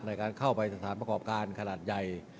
ในการเข้าไปสถานประกอบการขนาดใหญ่